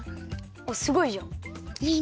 おっすごいじゃん。